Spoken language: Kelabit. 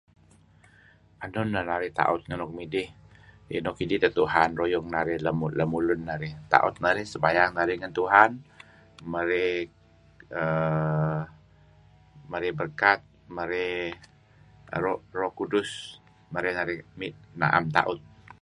Enun neh narih ta'ut ngan nuk midih nuk idih teh Tuhan ruyung narih lem ulun narih . Ta'ut naruh, sembayang narih ngan Tuhan merey err berkat merey roh roh kudus merey narih na'em ta'ut.